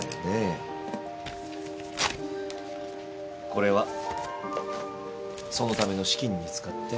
これはそのための資金に使って。